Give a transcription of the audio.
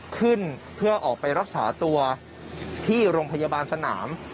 ขึ้นเพื่อออกไปรักษาตัวที่โรงพยาบาลสนาม